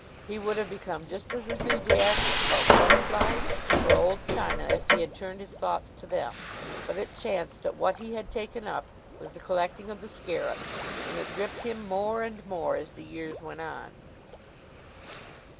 He would have become just as enthusiastic about butterflies or old china if he had turned his thoughts to them; but it chanced that what he had taken up was the collecting of the scarab, and it gripped him more and more as the years went on.